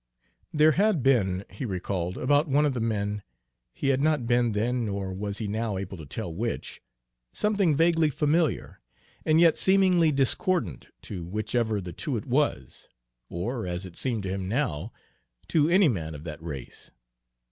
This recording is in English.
There had been, he recalled, about one of the men he had not been then nor was he now able to tell which something vaguely familiar, and yet seemingly discordant to whichever of the two it was, or, as it seemed to him now, to any man of that race.